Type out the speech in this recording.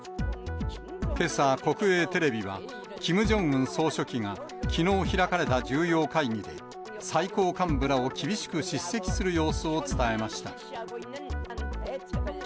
けさ、国営テレビは、キム・ジョンウン総書記がきのう開かれた重要会議で、最高幹部らを厳しく叱責する様子を伝えました。